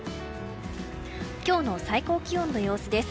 今日の最高気温の様子です。